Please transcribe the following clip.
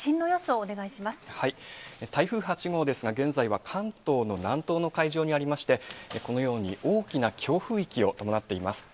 お願い台風８号ですが、現在は関東の南東の海上にありまして、このように大きな強風域を伴っています。